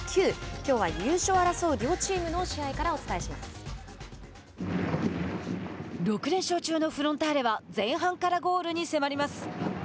きょうは優勝を争う両チームの試合から６連勝中のフロンターレは前半からゴールに迫ります。